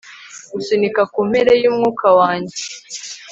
gusunika kumpera yumwuka wanjye